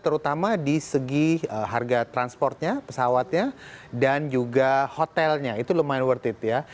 terutama di segi harga transportnya pesawatnya dan juga hotelnya itu lumayan worth it ya